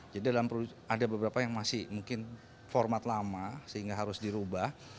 jadi ada beberapa yang masih mungkin format lama sehingga harus dirubah